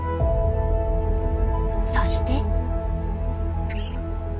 そして。